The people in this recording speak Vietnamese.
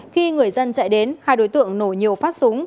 khi người dân chạy đến hai đối tượng nổ nhiều phát súng